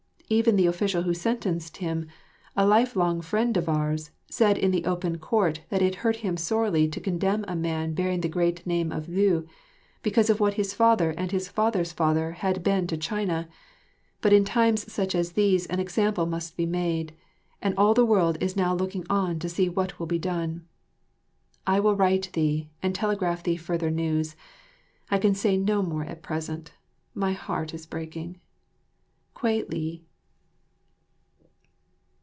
Even the official who sentenced him, a life long friend of ours, said in the open court that it hurt him sorely to condemn a man bearing the great name of Liu, because of what his father and his father's father had been to China, but in times such as these an example must be made; and all the world is now looking on to see what will be done. I will write thee and telegraph thee further news; I can say no more at present; my heart is breaking. Kwei li.